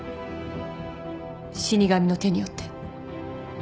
死神の手によって。